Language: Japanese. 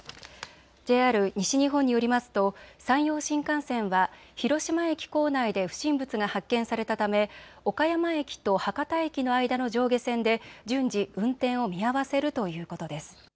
ＪＲ西日本によりますと山陽新幹線は広島駅構内で不審物が発見されたため岡山駅と博多駅の間の上下線で順次、運転を見合わせるということです。